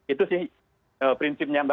itu sih prinsipnya mbak